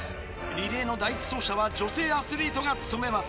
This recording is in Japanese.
リレーの第１走者は女性アスリートが務めます。